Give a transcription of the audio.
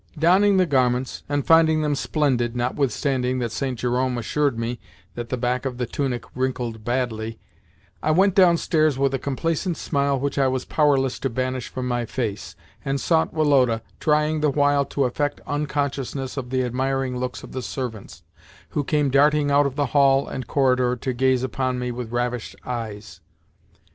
Donning the garments, and finding them splendid (notwithstanding that St. Jerome assured me that the back of the tunic wrinkled badly), I went downstairs with a complacent smile which I was powerless to banish from my face, and sought Woloda, trying the while to affect unconsciousness of the admiring looks of the servants, who came darting out of the hall and corridor to gaze upon me with ravished eyes.